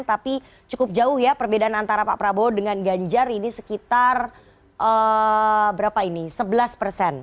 tapi cukup jauh ya perbedaan antara pak prabowo dengan ganjar ini sekitar berapa ini sebelas persen